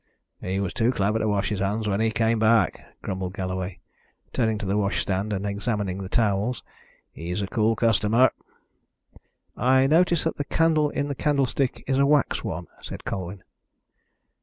"He was too clever to wash his hands when he came back," grumbled Galloway, turning to the washstand and examining the towels. "He's a cool customer." "I notice that the candle in the candlestick is a wax one," said Colwyn.